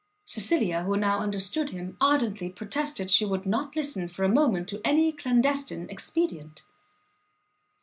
Cecilia, who now understood him, ardently protested she would not listen for a moment to any clandestine expedient.